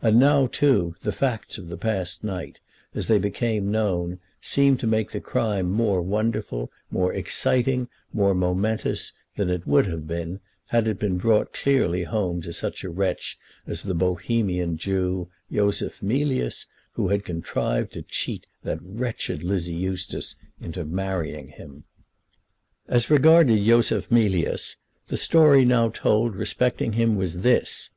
And now, too, the facts of the past night, as they became known, seemed to make the crime more wonderful, more exciting, more momentous than it would have been had it been brought clearly home to such a wretch as the Bohemian Jew, Yosef Mealyus, who had contrived to cheat that wretched Lizzie Eustace into marrying him. As regarded Yosef Mealyus the story now told respecting him was this.